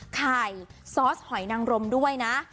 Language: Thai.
ไข่ซอสหอยนังรมด้วยนะ